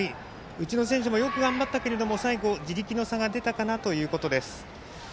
うちの選手もよく頑張ったけど最後、地力の差が出たかなということです。